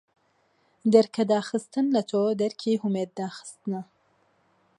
دەرکەداخستن لە تۆ دەرکی هومێد داخستنە